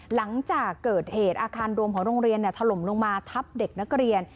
หลังจากเกิดเหตุอาคารรวมของโรงเรียนถล่มลงมาทับเด็กนักเรียน